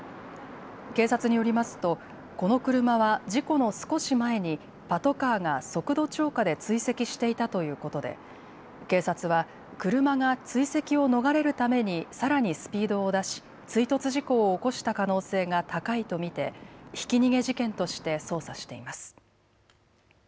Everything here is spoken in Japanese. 警察によりますとこの車は事故の少し前にパトカーが速度超過で追跡していたということで警察は車が追跡を逃れるためにさらにスピードを出し追突事故を起こした可能性が高いと見てひき逃げ事件として捜査しています。